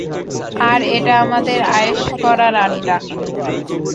আর এটা আমাদের আয়েশ করার আড্ডা।